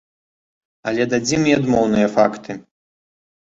Але дадзім і адмоўныя факты.